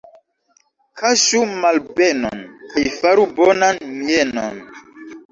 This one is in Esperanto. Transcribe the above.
Kaŝu malbenon kaj faru bonan mienon.